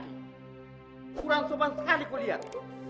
kurang sopan sekali kau lihat